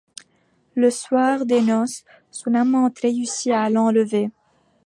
Le soir des noces, son amant réussit à l'enlever.